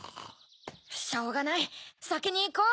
しょうがないさきにいこう。